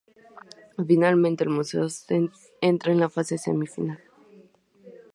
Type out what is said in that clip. Finalmente el Museo entra en fase semi-final.